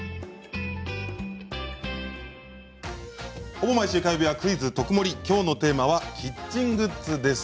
ほぼ毎週火曜日は「クイズとくもり」きょうのテーマはキッチングッズです。